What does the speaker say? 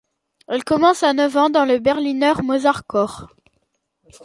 Elle commence à neuf ans dans le Berliner Mozart-Chor.